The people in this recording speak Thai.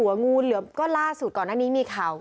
หรือว่างูเหลือก็ล่าสุดก่อนหน้านี้มีข่าว